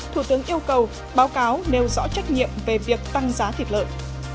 thủ tướng yêu cầu báo cáo nêu rõ trách nhiệm về việc tăng giá thịt lợn